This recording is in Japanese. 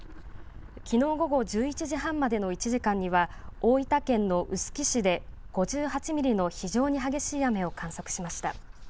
きのう午後１１時半までの１時間には、大分県の臼杵市で５８ミリの非常に激しい雨を観測しました。